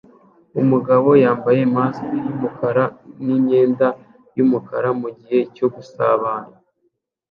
Umugabo yambaye mask yumukara n imyenda yumukara mugihe cyo gusabana